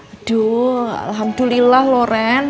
aduh alhamdulillah loh ren